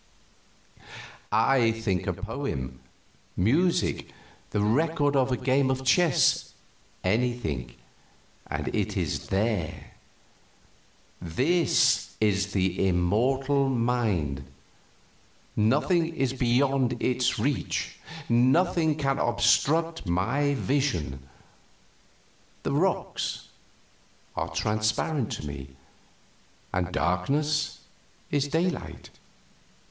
"I think a poem, music, the record of a game of chess anything and it is there. This is the immortal mind nothing is beyond its reach. Nothing can obstruct my vision; the rocks are transparent to me, and darkness is daylight.